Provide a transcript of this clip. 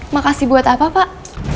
makasih buat apa pak